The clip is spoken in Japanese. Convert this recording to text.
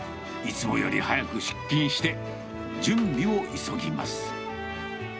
いつもより早く出勤して、準備を急ぎます。